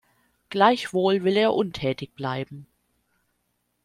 Gleichwohl will er untätig bleiben.